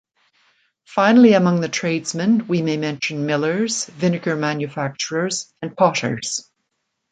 Finally among the tradesmen we may mention millers, vinegar manufacturers and potters.